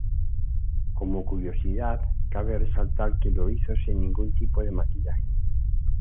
Como curiosidad cabe resaltar que lo hizo sin ningún tipo de maquillaje.